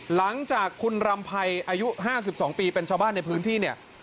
หลังจากคุณรำไพรอายุ๕๒ปีเป็นชาวบ้านในพื้นที่เนี่ย